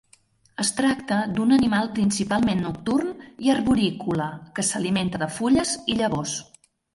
Es tracta d'un animal principalment nocturn i arborícola que s'alimenta de fulles i llavors.